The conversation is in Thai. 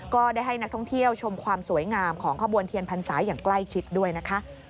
ก็ได้ให้นักท่องเที่ยวชมความสวยงามของขบวนเทียนพรรษาอย่างใกล้ชิดด้วยนะคะ